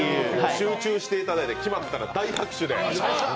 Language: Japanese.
集中していただいて決まったら大拍手で。